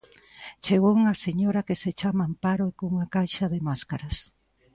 Chegou unha señora que se chama Amparo cunha caixa de máscaras.